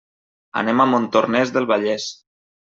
Anem a Montornès del Vallès.